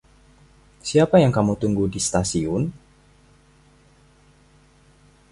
Siapa yang kamu tunggu di stasiun?